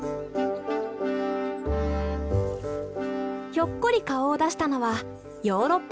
ひょっこり顔を出したのはヨーロッパヤチネズミ。